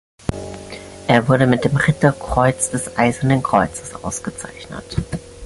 Er wurde mit dem Ritterkreuz des Eisernen Kreuzes ausgezeichnet.